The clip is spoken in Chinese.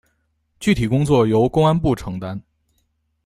具体工作由公安部承担。